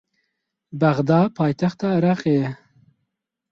Bexda paytexta Iraqê ye.